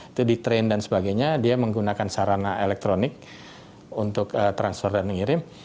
itu di train dan sebagainya dia menggunakan sarana elektronik untuk transfer dan ngirim